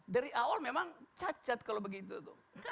dari awal memang cacat kalau begitu tuh